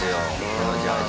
このジャージ。